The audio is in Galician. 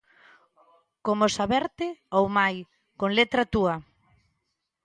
Como Saberte ou Mai, con letra túa.